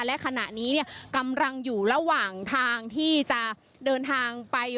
และขณะนี้เนี่ยกำลังอยู่ระหว่างทางที่จะเดินทางไป